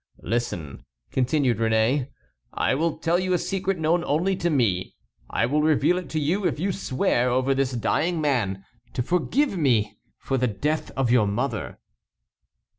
"Listen," continued Réné, "I will tell you a secret known only to me. I will reveal it to you if you will swear over this dying man to forgive me for the death of your mother."